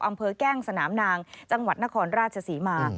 อำเภอแก้งสนามนางจังหวัดนครราชศรีมา